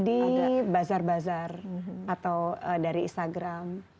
di bazar bazar atau dari instagram